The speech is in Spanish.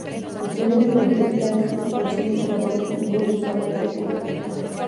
Posteriormente Cassie consigue trabajo en un restaurante como camarera.